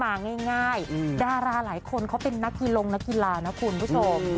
ง่ายดาราหลายคนเขาเป็นนักกีฬาลงนักกีฬานะคุณผู้ชม